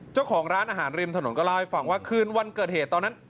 เจ้าของร้านอาหารริมถนนก็เล่าให้ฟังว่าคืนวันเกิดเหตุตอนนั้น